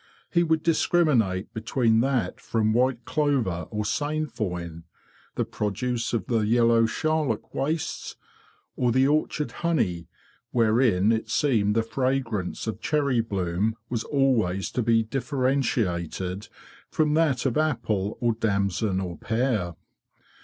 He would discriminate between that from white clover or sainfoin; the produce of the yellow charlock wastes; or the orchard honey, wherein it seemed the fragrance of cherry bloom was always to be differentiated from that of apple or damson or pear.